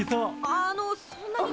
あのそんなに。